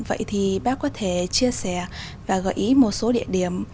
vậy thì bác có thể chia sẻ và gợi ý một số địa điểm